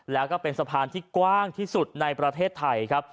แล้วก็เป็นสะพานที่กว้างที่สุดในประเทศไทยครับ